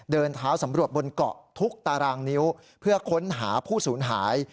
เดินเท้าสำรวจบนเกาะทุกตารางนิ้วเพื่อค้นหาผู้สูญหาย